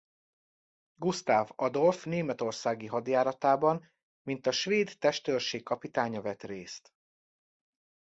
Gusztáv Adolf németországi hadjáratában mint a svéd testőrség kapitánya vett részt.